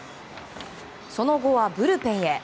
その後は、ブルペンへ。